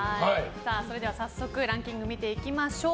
それではランキング見ていきましょう。